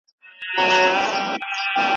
چي نه ساقي، نه میخانه سته زه به چیري ځمه